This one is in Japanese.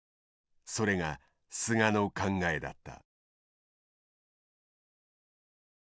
それが菅の考えだった。